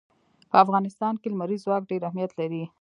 په افغانستان کې لمریز ځواک ډېر اهمیت لري.